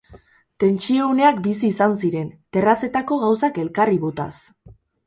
Tentsio uneak bizi izan ziren, terrazetako gauzak elkarri botaz.